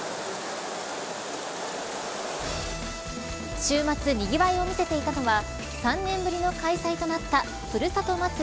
週末、にぎわいを見せていたのは３年ぶりの開催となったふるさと祭り